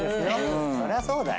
そりゃそうだよ。